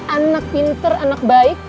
anak pintar anak baik